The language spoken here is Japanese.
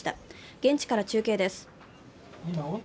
現地から中継です。